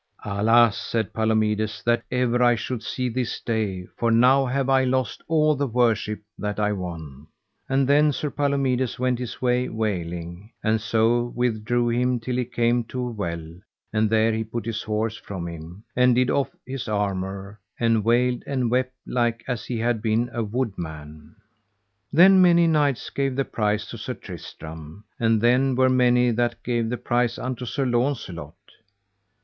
Alas, said Palomides, that ever I should see this day, for now have I lost all the worship that I won; and then Sir Palomides went his way wailing, and so withdrew him till he came to a well, and there he put his horse from him, and did off his armour, and wailed and wept like as he had been a wood man. Then many knights gave the prize to Sir Tristram, and there were many that gave the prize unto Sir Launcelot.